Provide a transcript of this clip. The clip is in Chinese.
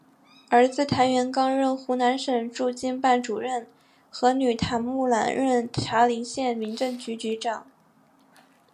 儿子谭元刚任湖南省驻京办主任和女谭木兰任茶陵县民政局局长。